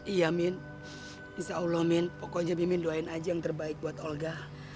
iya min insya allah min pokoknya bimin doain aja yang terbaik buat olga